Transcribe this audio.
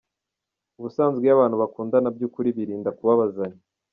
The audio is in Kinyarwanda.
Ubusanzwe iyo abantu bakundana by’ukuri birinda kubabazanya.